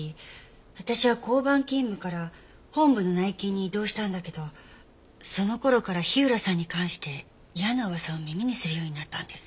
私は交番勤務から本部の内勤に異動したんだけどその頃から火浦さんに関して嫌な噂を耳にするようになったんです。